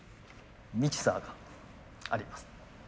ミキサーがあります。